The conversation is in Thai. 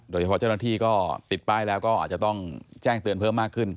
เจ้าหน้าที่ก็ติดป้ายแล้วก็อาจจะต้องแจ้งเตือนเพิ่มมากขึ้น